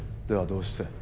ではどうして。